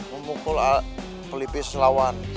memukul pelipis lawan